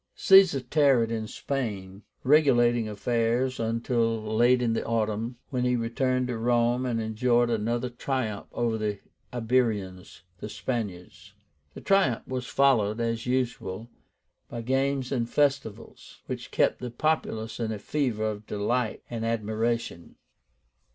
Caesar tarried in Spain, regulating affairs, until late in the autumn, when he returned to Rome and enjoyed another triumph over the Iberians (Spaniards). The triumph was followed, as usual, by games and festivals, which kept the populace in a fever of delight and admiration.